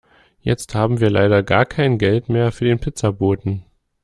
Jetzt haben wir leider gar kein Geld mehr für den Pizzaboten.